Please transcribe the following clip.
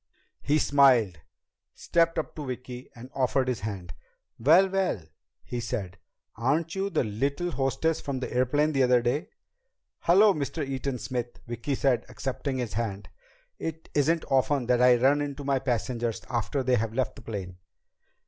He smiled, stepped up to Vicki, and offered his hand. "Well, well," he said, "aren't you the little hostess from the airplane the other day?" "Hello, Mr. Eaton Smith," Vicki said, accepting his hand. "It isn't often that I run into my passengers after they have left the plane."